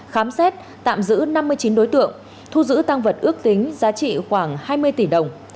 khám xét tạm giữ năm mươi chín đối tượng thu giữ tăng vật ước tính giá trị khoảng hai mươi tỷ đồng